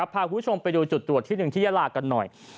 พาคุณผู้ชมไปดูจุดตรวจที่หนึ่งที่ยาลากันหน่อย